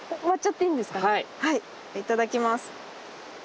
いただきます！